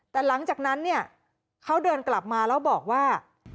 แต่หลังจากนั้นเนี่ยเขาเดินกลับมาแล้วบอกว่า